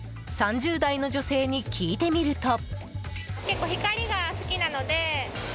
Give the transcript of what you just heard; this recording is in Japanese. ３０代の女性に聞いてみると。